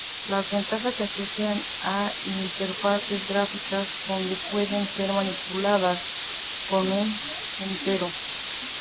Las ventanas se asocian a interfaces gráficas, donde pueden ser manipuladas con un puntero.